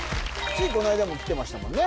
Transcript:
ついこの間も来てましたもんね